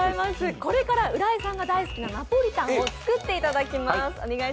これから浦井さんが大好きなナポリタンを作っていただきます。